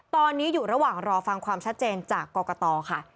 ตอนนี้อยู่ระหว่างรอฟังความชัดเจนจากกรกตค่ะ